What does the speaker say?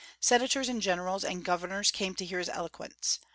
Senators and generals and governors came to hear his eloquence.